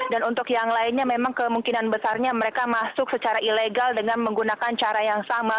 dan untuk yang lainnya memang kemungkinan besarnya mereka masuk secara ilegal dengan menggunakan cara yang sama